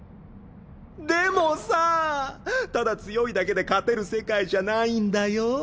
でもさただ強いだけで勝てる世界じゃないんだよ。